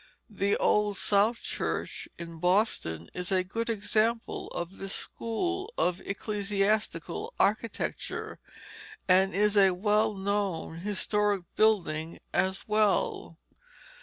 The Old South Church of Boston is a good example of this school of ecclesiastical architecture, and is a well known historic building as well.